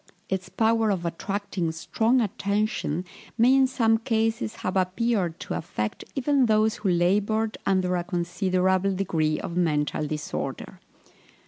Its power of attracting strong attention may in some cases have appeared to affect even those who laboured under a considerable degree of mental disorder.